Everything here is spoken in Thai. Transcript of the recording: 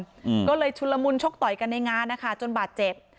อืมก็เลยชุนละมุนชกต่อยกันในงานนะคะจนบาดเจ็บ